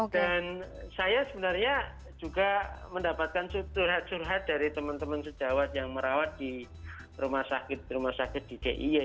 dan saya sebenarnya juga mendapatkan surhat surhat dari teman teman sejawat yang merawat di rumah sakit di ti ya